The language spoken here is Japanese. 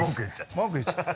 文句言っちゃった。